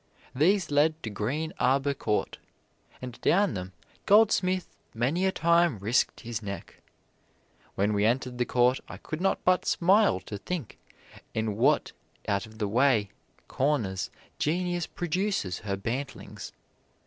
These led to Green Arbor Court, and down them Goldsmith many a time risked his neck. When we entered the Court, I could not but smile to think in what out of the way corners Genius produces her bantlings.